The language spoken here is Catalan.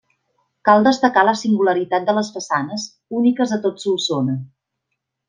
Cal destacar la singularitat de les façanes, úniques a tot Solsona.